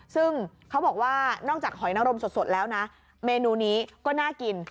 ซึ่งเขาบอกว่านอกจากหอยนรมสดแล้วนะเมนูนี้ก็น่ากิน